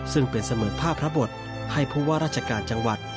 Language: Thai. ซึ่งเป็นเสมือนผ้าพระบทให้ผู้ว่าราชการจังหวัด